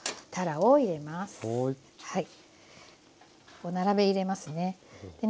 こう並べ入れますね。